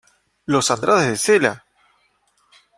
¡ los Andrades de Cela!